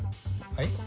はい？